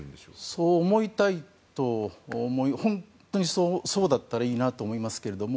そう思いたいと本当にそうだったらいいなと思いますけれども。